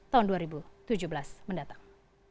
tahun dua ribu tujuh belas mendatang